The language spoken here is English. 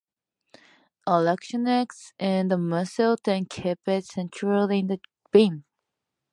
Electronics in the missile then keep it centered in the beam.